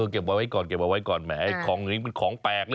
เก็บไว้ก่อนเก็บเอาไว้ก่อนแหมของนี้มันของแปลกเลย